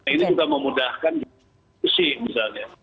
ini juga memudahkan jauh jauh